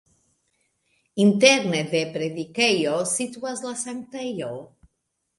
Interne la predikejo situas en la sanktejo.